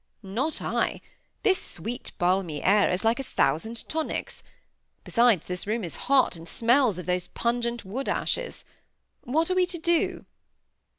"Not I. This sweet balmy air is like a thousand tonics. Besides, this room is hot, and smells of those pungent wood ashes. What are we to do?"